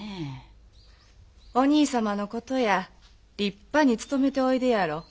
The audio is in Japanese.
お兄様のことや立派に勤めておいでやろ。